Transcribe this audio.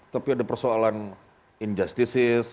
tapi ada persoalan injustices